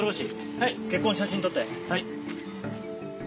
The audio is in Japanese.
はい。